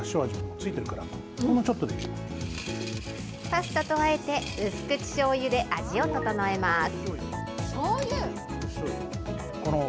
パスタとあえて、薄口しょうゆで味を調えます。